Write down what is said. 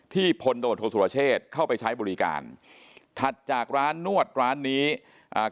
พลตำรวจโทษสุรเชษเข้าไปใช้บริการถัดจากร้านนวดร้านนี้อ่า